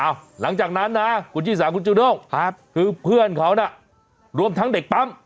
หลังจากนั้นนะคุณชิสาคุณจูด้งคือเพื่อนเขาน่ะรวมทั้งเด็กปั๊ม